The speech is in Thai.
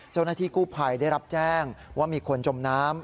เจ้าหน้าที่กู้ภัยได้รับแจ้งว่ามีคนจมน้ำ